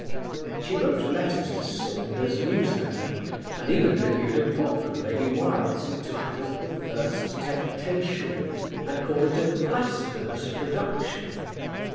She wrote letters to Saunders Newsletter, and even reviewed a book of Lady Wilde's entitled "The First Temptation," and called it a "blasphemous production."